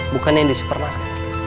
bukannya yang di supermarket